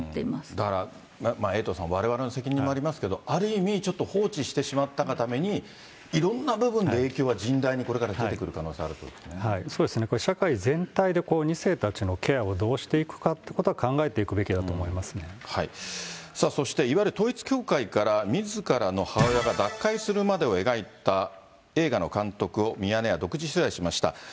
だから、エイトさん、われわれの責任もありますけど、ある意味、ちょっと放置してしまったがために、いろんな部分で影響は甚大にこれから出てくる可能性あるというこそうですね、これ、社会全体で２世たちのケアをどうしていくかってことを考えていくべきだとそしていわゆる統一教会からみずからの母親が脱会するまでを描いた映画の監督を、ミヤネ屋独自取材しました。